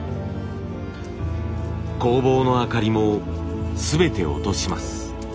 工房の明かりも全て落とします。